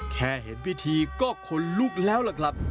แค่เห็นพิธีก็ขนลุกแล้วล่ะครับ